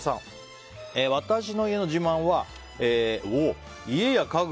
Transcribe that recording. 私の家の自慢は家や家具